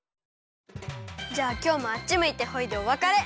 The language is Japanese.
じゃあきょうもあっちむいてホイでおわかれ。